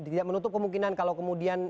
tidak menutup kemungkinan kalau kemudian